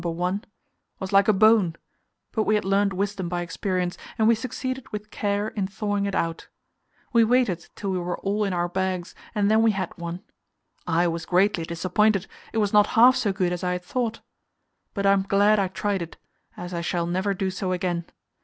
1" was like a bone, but we had learnt wisdom by experience, and we succeeded with care in thawing it out. We waited till we were all in our bags, and then we had one. I was greatly disappointed; it was not half so good as I had thought. But I am glad I tried it, as I shall never do so again.